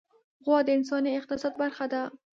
غوا د انساني اقتصاد برخه ده.